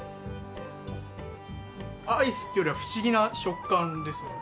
アイスっていうよりは不思議な食感ですね。